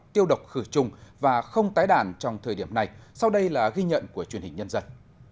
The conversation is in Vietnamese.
tiêu độc khử trùng và không tái đàn trong thời điểm này sau đây là ghi nhận của truyền hình nhân dân